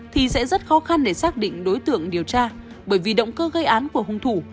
thì sẽ rất khó khăn để xác định đối tượng điều tra bởi vì động cơ gây án của hung thủ